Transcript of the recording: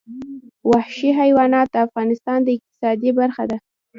وحشي حیوانات د افغانستان د اقتصاد برخه ده.